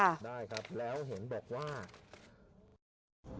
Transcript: ได้ครับแล้วเห็นบอกว่า